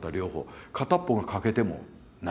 片っ方が欠けてもない。